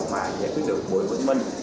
giải quyết được bụi vứt minh